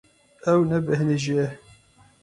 Ew nebêhnijî ye.